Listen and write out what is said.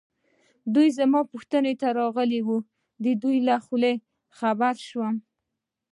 دوی زما پوښتنې ته راغلي وو، د دوی له خولې خبر شوم.